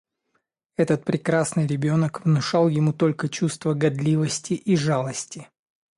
Этот прекрасный ребенок внушал ему только чувство гадливости и жалости.